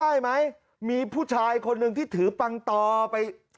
ได้ไหมมีผู้ชายคนหนึ่งที่ถือปังตอไป